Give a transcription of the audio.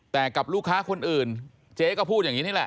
แต่กับลูกค้าคนอื่นเจ๊ก็พูดอย่างนี้นี่แหละ